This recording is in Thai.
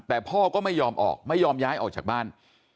แต่พ่อก็ไม่ยอมออกไม่ยอมย้ายออกจากบ้าน